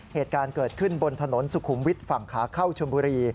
เหตุการณ์เกิดขึ้นบนถนนสุขุมวิทย์ฝั่งขาเข้าชมบุรี